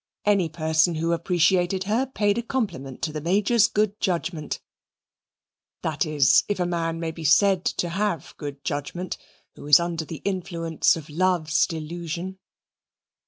Any person who appreciated her paid a compliment to the Major's good judgement that is, if a man may be said to have good judgement who is under the influence of Love's delusion.